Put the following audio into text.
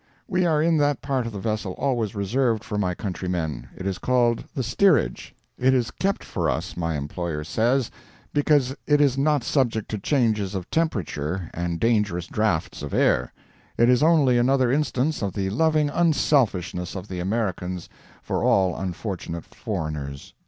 We are in that part of the vessel always reserved for my countrymen. It is called the steerage. It is kept for us, my employer says, because it is not subject to changes of temperature and dangerous drafts of air. It is only another instance of the loving unselfishness of the Americans for all unfortunate foreigners.